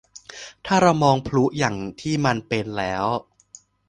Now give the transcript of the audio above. ถ้าเรามองพลุอย่างที่มันเป็นแล้ว